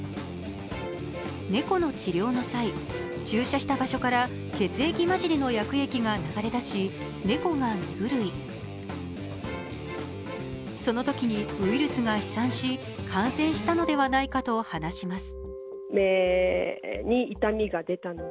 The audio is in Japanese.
猫の治療の際、駐車した場所から血液混じりの薬液が流れ出しそのときにウイルスが飛散し、感染したのではないかと話します。